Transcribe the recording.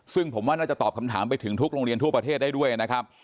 ซึ่งผมว่าน่าจะตอบคำถามไปถึงทุกโรงเรียนทั่วประเทศได้ด้วยนะครับ